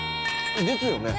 ですよね？